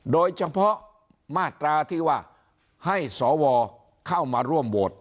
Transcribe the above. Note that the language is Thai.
โดยเฉพาะมาตราที่ว่าให้สวเข้ามาร่วมโหวต